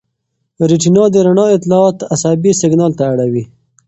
ریټینا د رڼا اطلاعات عصبي سېګنال ته اړوي.